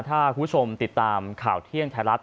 ถ้าคุณผู้ชมติดตามข่าวเที่ยงไทยรัฐ